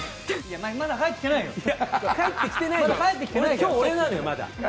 まだ帰ってきてないよ